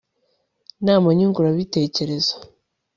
inama nyunguranabitekerezo